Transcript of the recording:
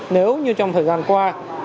nếu như trong thời gian qua